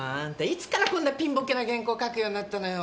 いつからこんなピンボケな原稿書くようになったのよ？